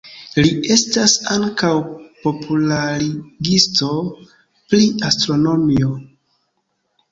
Li estas ankaŭ popularigisto pri astronomio.